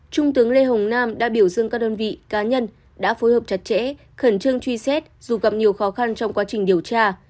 trung tướng lê hồng nam đã biểu dương các đơn vị cá nhân đã phối hợp chặt chẽ khẩn trương truy xét dù gặp nhiều khó khăn trong quá trình điều tra